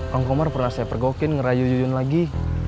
kang komar pernah saya pergokin ngerayu juyun lagi